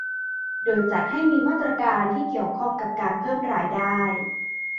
โดยจัดให้มีมาตรการที่เกี่ยวข้องกับการเพิ่มรายได้